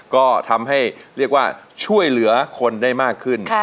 ก็ทำให้เรียกว่าช่วยเหลือคนได้มากขึ้น